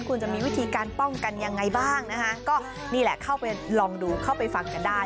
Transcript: คุณจะมีวิธีการป้องกันยังไงบ้างนะคะก็นี่แหละเข้าไปลองดูเข้าไปฟังกันได้